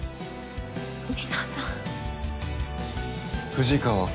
う皆さん。